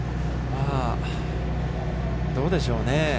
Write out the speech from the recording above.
どうでしょうね。